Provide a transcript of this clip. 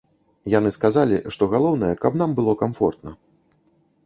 Яны сказалі, што галоўнае, каб нам было камфортна.